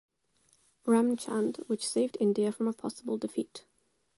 Ramchand which saved India from a possible defeat.